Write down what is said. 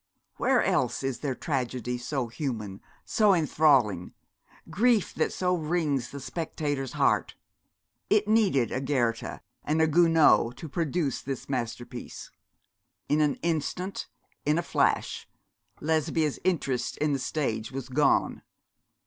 Where else is there tragedy so human, so enthralling grief that so wrings the spectator's heart? It needed a Goethe and a Gounod to produce this masterpiece. In an instant, in a flash, Lesbia's interest in the stage was gone.